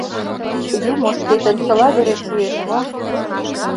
Юмо шкетын чыла вере шуэш мо?